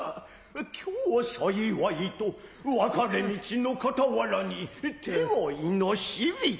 今日幸いと別れ道のかたわらに手負の死人。